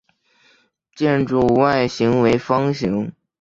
建筑外形为方形。